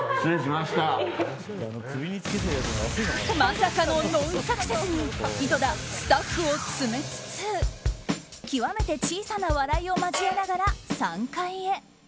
まさかのノンサクセスに井戸田、スタッフを詰めつつきわめて小さな笑いを交えながら３階へ。